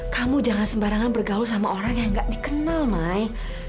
kamu jangan sembarangan bergaul sama orang yang gak dikenal mai